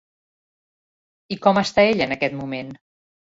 I com està ella en aquell moment?